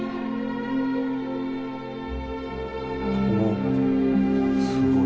おすごい。